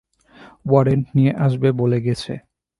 Warrant নিয়ে আসবে বলে গেছে।